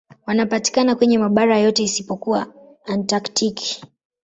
Wanapatikana kwenye mabara yote isipokuwa Antaktiki.